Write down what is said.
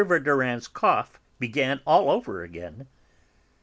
Verdurin's cough began all over again.